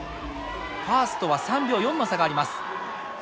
ファースとは３秒４の差があります。